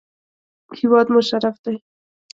هېواد مو شرف دی